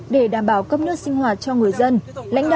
để đảm bảo cấp nước sinh hoạt cho người dân